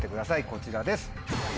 こちらです。